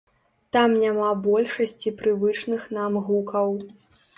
Там няма большасці прывычных нам гукаў.